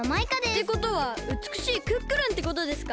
ってことはうつくしいクックルンってことですか？